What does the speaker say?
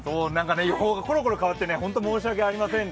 予報がころころ変わって本当に申し訳ありません。